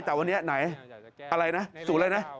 แต่วันนี้ไหนอะไรนะศูนย์อะไรนะ